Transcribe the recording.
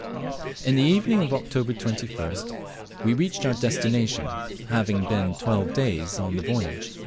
On the evening of October 21st we reached our destination, having been twelve days on the voyage.